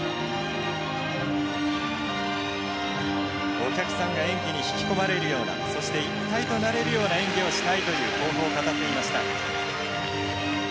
お客さんが演技に引き込まれるようなそして一体となれるような演技をしたいという豊富を語っていました。